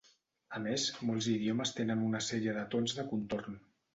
A més, molts idiomes tenen una sèrie de tons de contorn.